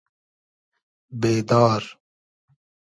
بېدار